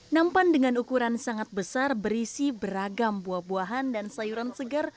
nampan dengan ukuran sangat besar berisi beragam buah buahan dan sayuran segar